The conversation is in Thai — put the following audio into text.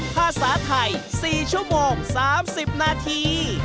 ภาษาไทย๔ชั่วโมง๓๐นาที